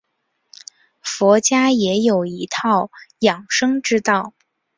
佛家也有一套养生之道。